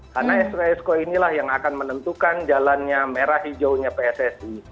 karena esko esko inilah yang akan menentukan jalannya merah hijaunya pssi